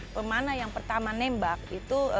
pemana yang pertama nembak itu